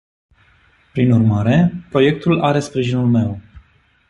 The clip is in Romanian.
Prin urmare, proiectul are sprijinul meu.